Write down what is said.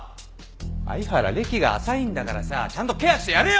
鮎原歴が浅いんだからさちゃんとケアしてやれよ！